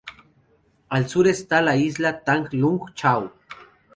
Al Sur esta la isla Tang Lung Chau.